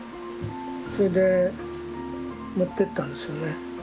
それで持ってったんですよね。